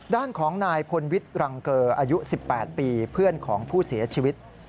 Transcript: ด้านของนายพลวิทย์รังเกอร์อายุ๑๘ปีเพื่อนของผู้เสียชีวิต